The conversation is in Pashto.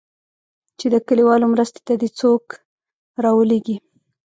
چې د كليوالو مرستې ته دې څوك راولېږي.